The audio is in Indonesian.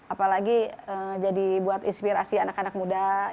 apalagi jadi buat inspirasi anak anak muda